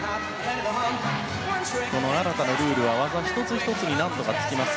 新たなルールは技１つ１つに難度がつきます。